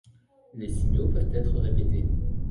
Les signaux peuvent être répétés.